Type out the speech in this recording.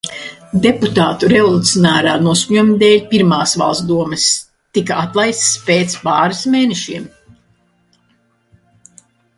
Deputātu revolucionārā noskaņojuma dēļ pirmās Valsts domes tika atlaistas pēc pāris mēnešiem.